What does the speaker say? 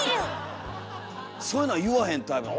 そういうのは言わへんタイプ？